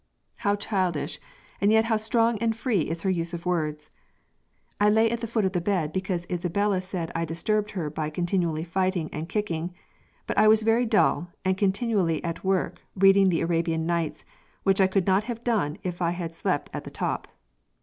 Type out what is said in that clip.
How childish and yet how strong and free is her use of words! "I lay at the foot of the bed because Isabella said I disturbed her by continial fighting and kicking, but I was very dull, and continially at work reading the Arabian Nights, which I could not have done if I had slept at the top.